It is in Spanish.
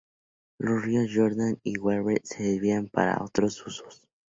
Los ríos Jordan y Weber se desvían para otros usos.